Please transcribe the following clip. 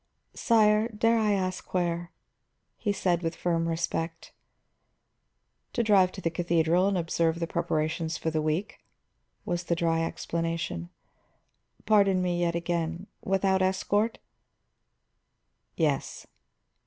"Sire, dare I ask where?" he said, with firm respect. "To drive to the cathedral and observe the preparations for next week," was the dry explanation. "Pardon me yet again; without escort?" "Yes."